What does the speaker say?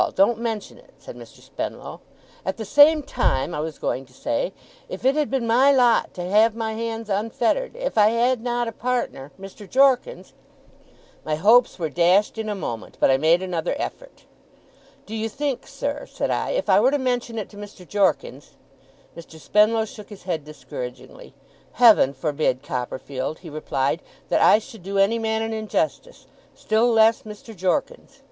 Don't mention it,' said Mr. Spenlow. 'At the same time, I was going to say, if it had been my lot to have my hands unfettered if I had not a partner Mr. Jorkins ' My hopes were dashed in a moment, but I made another effort. 'Do you think, sir,' said I, 'if I were to mention it to Mr. Jorkins ' Mr. Spenlow shook his head discouragingly. 'Heaven forbid, Copperfield,' he replied, 'that I should do any man an injustice: still less, Mr. Jorkins.